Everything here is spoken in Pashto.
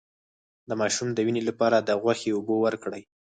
د ماشوم د وینې لپاره د غوښې اوبه ورکړئ